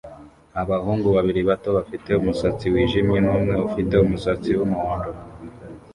Abahungu babiri bato bafite umusatsi wijimye numwe ufite umusatsi wumuhondo